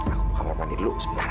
aku mau hamar mandi dulu sebentar